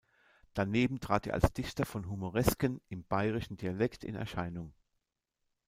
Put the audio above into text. Daneben trat er als Dichter von Humoresken im bairischen Dialekt in Erscheinung.